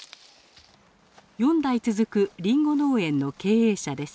４代続くリンゴ農園の経営者です。